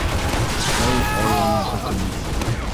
Әй, алланың хөкөмө.